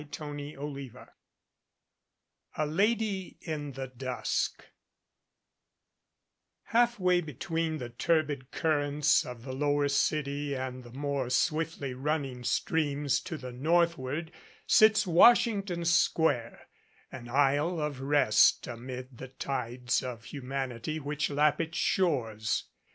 CHAPTER XXIII A LADY IN THE DUSK HALFWAY between the turbid currents of the lower city and the more swiftly running streams to the northward sits Washington Square, an isle of rest amid the tides of humanity which lap its shores.